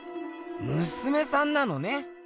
むすめさんなのね。